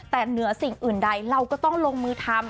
แต่เหนือสิ่งอื่นใดเราก็ต้องลงมือทำ